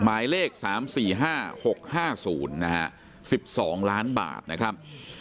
หมายเลข๓๔๕๖๕๐นะฮะ๑๒ล้านบาทนะครับ